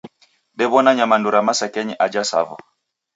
Dewona nyamandu ra masakenyi ajha Tsavo